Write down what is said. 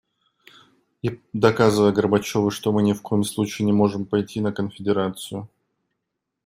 И доказывая Горбачёву, что мы ни в коем случае не можем пойти на конфедерацию.